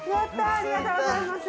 ありがとうございます。